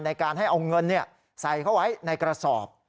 ในการให้เอาเงินใส่เขาไว้ในกระสอบ